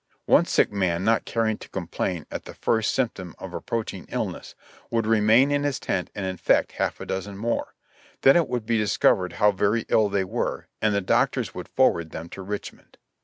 One sick man not caring to com plain at the first symptom of approaching illness, would remain in his tent and infect half a dozen more ; then it would be dis covered how very ill they were, and the doctors would forward them to Richmond.